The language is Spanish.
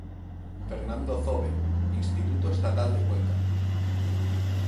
Fernando Zóbel, instituto estatal de Cuenca.